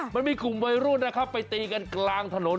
มันมีกลุ่มวัยรุ่นนะครับไปตีกันกลางถนน